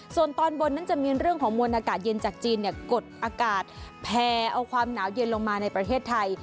ส่วนตอนบนนั้นจะมีเรื่องของมวลอากาศเย็นจากจีนกดอากาศแพร่เอาความหนาวเย็นลงมาในประเทศไทย